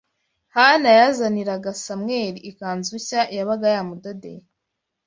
Hana yazaniraga Samweli ikanzu nshya yabaga yamudodeye